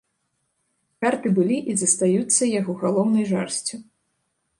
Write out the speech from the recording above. Карты былі і застаюцца яго галоўнай жарсцю.